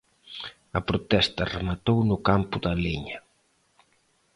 A protesta rematou no campo da leña.